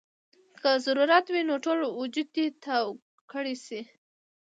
کۀ ضرورت وي نو ټول وجود دې تاو کړے شي -